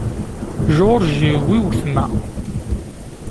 George yiwi wetma.